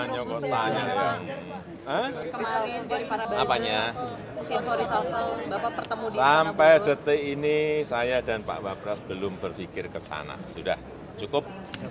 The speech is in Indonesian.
jokowi bertanya sampai detik ini saya dan pak wabras belum berpikir ke sana sudah cukup